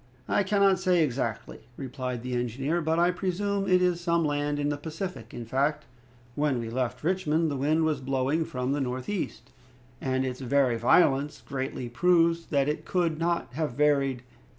"I cannot say exactly," replied the engineer, "but I presume it is some land in the Pacific. In fact, when we left Richmond, the wind was blowing from the northeast, and its very violence greatly proves that it could not have varied.